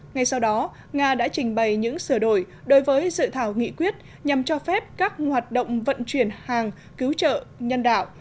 ngay sau đó nga đã trình bày những sửa đổi đối với dự thảo nghị quyết nhằm cho phép các hoạt động vận chuyển hàng cứu trợ nhân đạo